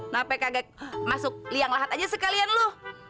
nggak apa apa kagak masuk liang lahat aja sekalian lu